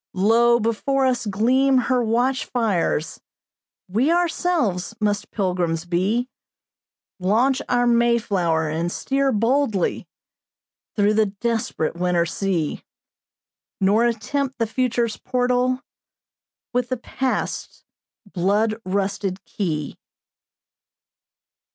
Lo! before us gleam her watch fires We ourselves must pilgrims be, Launch our Mayflower, and steer boldly Through the desperate winter sea, Nor attempt the future's portal With the past's blood rusted key.'"